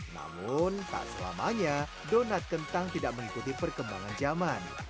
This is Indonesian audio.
namun tak selamanya donat kentang tidak mengikuti perkembangan zaman